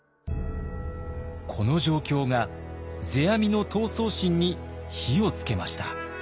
この状況が世阿弥の闘争心に火をつけました。